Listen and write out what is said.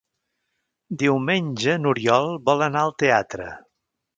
Diumenge n'Oriol vol anar al teatre.